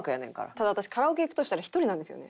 ただ私カラオケ行くとしたら１人なんですよね。